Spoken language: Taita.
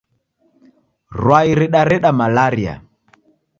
Rwai ridareda malaria